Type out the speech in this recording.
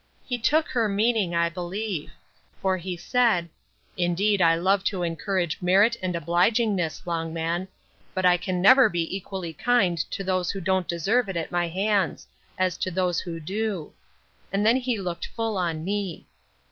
He took her meaning, I believe; for he said,—Indeed I love to encourage merit and obligingness, Longman; but I can never be equally kind to those who don't deserve it at my hands, as to those who do; and then he looked full on me.